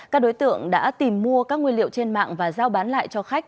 các đối tượng đã tìm mua các nguyên liệu trên mạng và giao bán lại cho khách